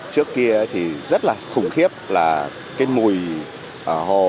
trước kia thì rất là khủng khiếp là cái mùi ở hồ